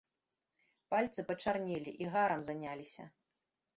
Пальцы пачарнелі і гарам заняліся.